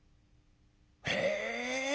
「へえ。